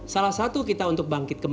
salah satu kita untuk bangkitkan